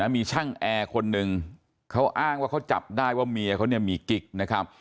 มีช่างแอร์คนหนึ่งเขาอ้างว่าเขาจับได้ว่าเมียเขาเนี่ยมีกิ๊กนะครับ